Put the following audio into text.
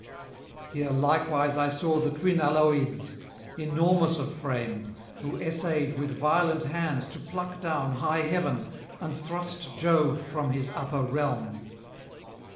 Here likewise I saw the twin Aloïds, enormous of frame, who essayed with violent hands to pluck down high heaven and thrust Jove from his upper realm.